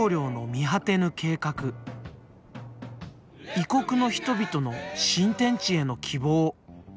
異国の人々の新天地への希望。